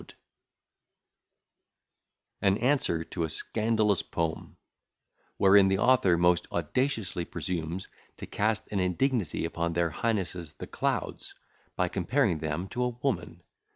] AN ANSWER TO A SCANDALOUS POEM Wherein the Author most audaciously presumes to cast an indignity upon their highnesses the Clouds, by comparing them to a woman.